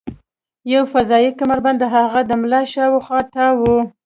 یو فضايي کمربند د هغه د ملا شاوخوا تاو و